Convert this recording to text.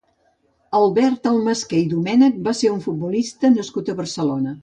Albert Almasqué i Domènech va ser un futbolista nascut a Barcelona.